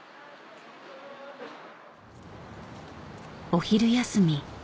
お昼休み